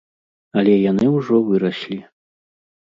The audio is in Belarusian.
Але яны ўжо выраслі.